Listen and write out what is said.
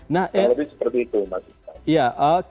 lebih seperti itu mas ismail